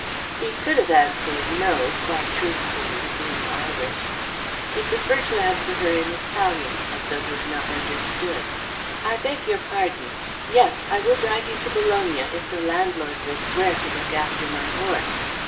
He could have answered "No" quite truthfully, being Irish. He preferred to answer her in Italian as though he had not understood. "I beg your pardon. Yes, I will drive you to Bologna if the landlord will swear to look after my horse."